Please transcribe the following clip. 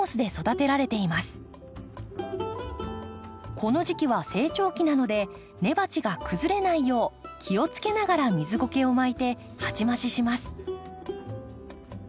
この時期は成長期なので根鉢が崩れないよう気をつけながら水ゴケを巻いて鉢増しします。